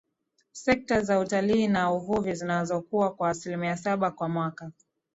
Sekta za Utalii na Uvuvi zinazokua kwa asilimia saba kwa mwaka